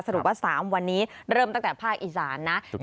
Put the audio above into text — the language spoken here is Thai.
ว่า๓วันนี้เริ่มตั้งแต่ภาคอีสานนะ